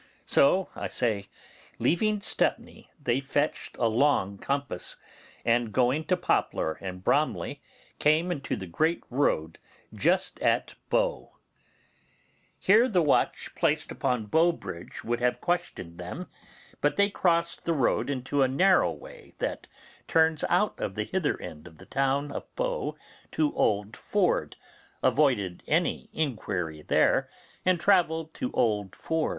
So, I say, leaving Stepney they fetched a long compass, and going to Poplar and Bromley, came into the great road just at Bow. Here the watch placed upon Bow Bridge would have questioned them, but they, crossing the road into a narrow way that turns out of the hither end of the town of Bow to Old Ford, avoided any inquiry there, and travelled to Old Ford.